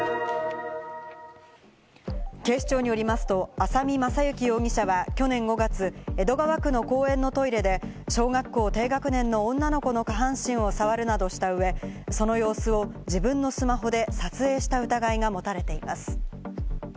警視庁によりますと浅見雅之容疑者は去年５月、江戸川区の公園のトイレで小学校低学年の女の子の下半身をさわるなどした上、様子を自分のスマホで撮影した疑いが持たれています。